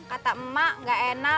kata emak gak enak